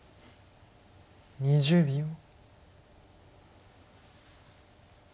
２０秒。